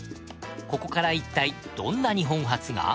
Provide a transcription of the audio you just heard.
ここからいったいどんな日本初が？